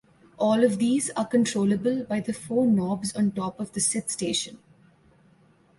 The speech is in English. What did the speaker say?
All of these are controllable by the four knobs on top of the SidStation.